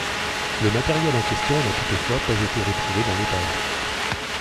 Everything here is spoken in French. Le matériel en question n'a toutefois pas été retrouvé dans l'épave.